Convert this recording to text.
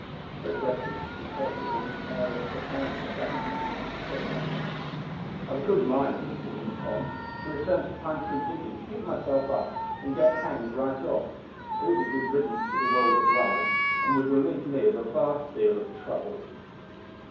Fred Westly shook his head with an air of profound perplexity, but said nothing. "I've a good mind," continued Tom, "to return to Pine Tree Diggings, give myself up, and get hanged right off. It would be a good riddance to the world at large, and would relieve me of a vast deal of trouble."